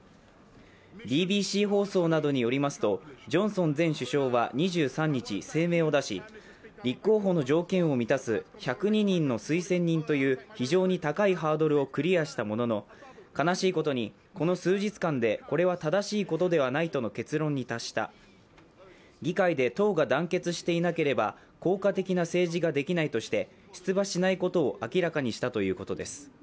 ＢＢＣ放送などによりますとジョンソン前首相は２３日、声明を出し立候補の条件を満たす１０２人の推薦人という非常に高いハードルをクリアしたものの悲しいことにこの数日間でこれは正しいことではないとの結論に達した、議会で党が団結していなければ効果的な政治ができないとして出馬しないことを明らかにしたということです。